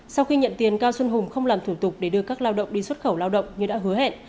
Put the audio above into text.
sau khi nhận tiền cao xuân hùng không làm thủ tục để đưa các lao động đi xuất khẩu lao động như đã hứa hẹn